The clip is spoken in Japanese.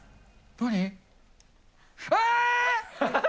何？